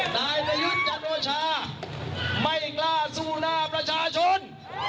นายประยุทธ์จันโอชาไม่กล้าสู้หน้าประชาชน